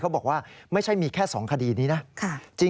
บอกว่าไม่ใช่มีแค่๒คดีนี้นะ